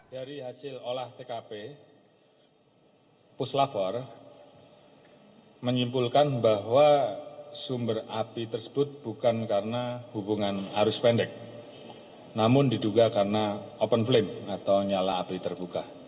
dari hasil olah tkp puslavor menyimpulkan bahwa sumber api tersebut bukan karena hubungan arus pendek namun diduga karena open flame atau nyala api terbuka